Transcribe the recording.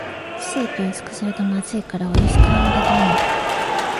スープ薄くするとまずいからお湯少なめで頼む